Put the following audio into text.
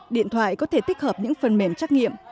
điện thoại có thể thích hợp những phần mềm trắc nghiệm